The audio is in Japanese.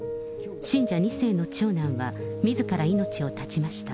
信者２世の長男はみずから命を絶ちました。